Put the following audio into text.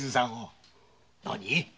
何！？